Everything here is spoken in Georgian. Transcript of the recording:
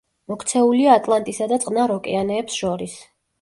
მოქცეულია ატლანტისა და წყნარ ოკეანეებს შორის.